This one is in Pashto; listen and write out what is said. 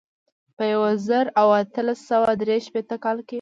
په یو زر او اتلس سوه درې شپېته کال کې.